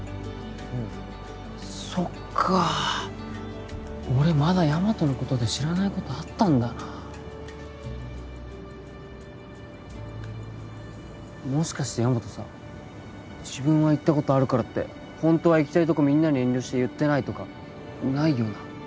うんそっかあ俺まだヤマトのことで知らないことあったんだなあもしかしてヤマトさ自分は行ったことあるからって本当は行きたいとこみんなに遠慮して言ってないとかないよな？